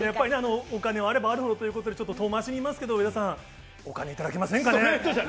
お金はあればあるほどというちょっと遠回しに言いますけど、上田さん、ちょっとお金をいただけないですかね？